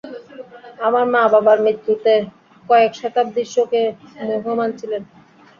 আমার মা বাবার মৃত্যুতে কয়েক শতাব্দী শোকে মুহ্যমান ছিলেন!